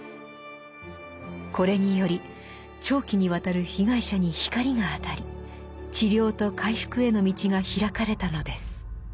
これにより長期にわたる被害者に光が当たり治療と回復への道が開かれたのです。